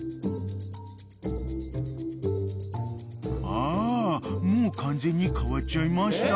［あもう完全に変わっちゃいました］